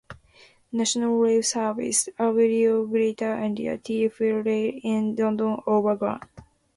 National Rail services: Abellio Greater Anglia, TfL Rail and London Overground.